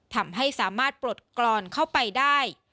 ทำให้สามารถปลดกรอนเข้าไปได้